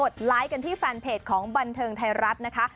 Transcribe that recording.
ไลค์กันที่แฟนเพจของบันเทิงไทยรัฐนะคะ